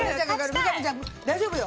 三上ちゃん、大丈夫よ。